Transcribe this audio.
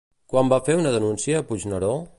Quan va fer una denúncia Puigneró?